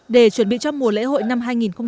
để chuẩn bị cho mùa lễ hội năm hai nghìn một mươi chín